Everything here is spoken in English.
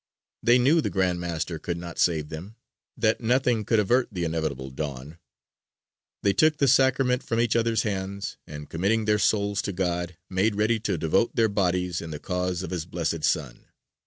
They knew the Grand Master could not save them, that nothing could avert the inevitable dawn. They took the Sacrament from each other's hands, and "committing their souls to God made ready to devote their bodies in the cause of His Blessed Son."